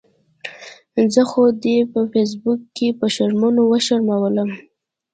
زه خو دې په فیسبوک کې په شرمونو وشرمؤلم